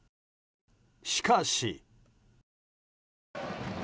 しかし。